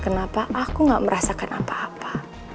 kenapa aku gak merasakan apa apa